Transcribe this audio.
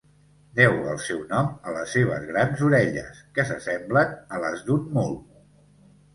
Deu el seu nom a les seves grans orelles, que s'assemblen a les d'un mul.